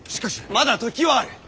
まだ時はある！